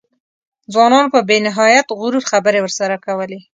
ځوانانو په بې نهایت غرور خبرې ورسره کولې.